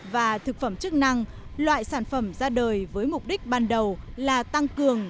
và thực phẩm chức năng loại sản phẩm ra đời với mục đích ban đầu là tăng cường